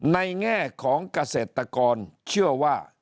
แง่ของเกษตรกรเชื่อว่า